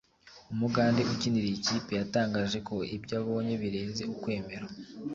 Umugande ukinira iyi kipe yatangaje ko ibyo abonye birenze ukwemera